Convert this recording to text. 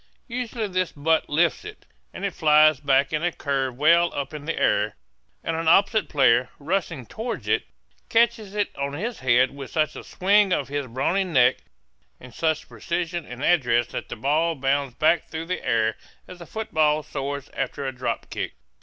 Usually this butt lifts it, and it flies back in a curve well up in the air; and an opposite player, rushing toward it, catches it on his head with such a swing of his brawny neck, and such precision and address that the ball bounds back through the air as a football soars after a drop kick.